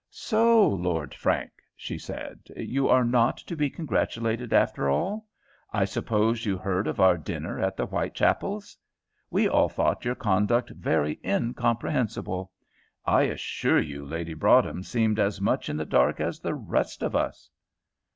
"So, Lord Frank," she said, "you are not to be congratulated after all? I suppose you heard of our dinner at the Whitechapels'? We all thought your conduct very incomprehensible. I assure you Lady Broadhem seemed as much in the dark as the rest of us."